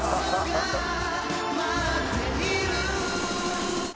「待っている」